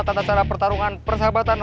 tata cara pertarungan persahabatan